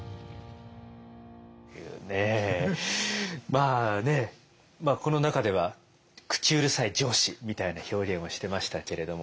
というねまあねこの中では口うるさい上司みたいな表現をしてましたけれども。